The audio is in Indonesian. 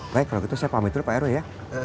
baik kalau gitu saya pamit dulu pak heru ya